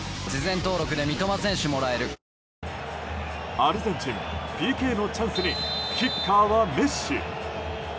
アルゼンチンＰＫのチャンスにキッカーはメッシ。